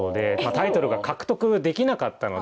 タイトルが獲得できなかったので。